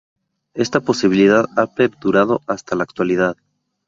Esta posibilidad ha perdurado hasta la actualidad.